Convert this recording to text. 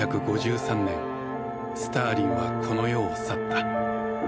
年スターリンはこの世を去った。